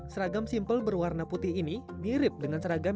seragam simpel berwarna putih ini mirip dengan seragam